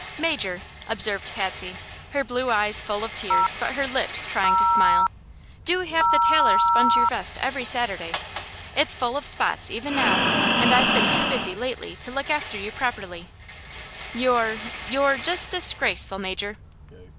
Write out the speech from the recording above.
"Major," observed Patsy, her blue eyes full of tears but her lips trying to smile, "do have the tailor sponge your vest every Saturday. It's full of spots even now, and I've been too busy lately to look after you properly. You're you're just disgraceful, Major!"